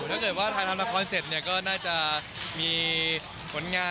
ถ้าเกิดว่าถ่ายทำละครเสร็จเนี่ยก็น่าจะมีผลงาน